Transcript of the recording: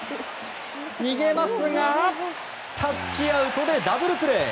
逃げますがタッチアウトでダブルプレー。